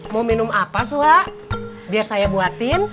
mau minum apa sua biar saya buatin